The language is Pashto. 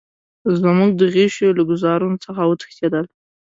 زموږ د غشیو له ګوزارونو څخه وتښتېدل.